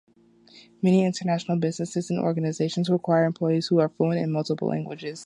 Many international businesses and organizations require employees who are fluent in multiple languages.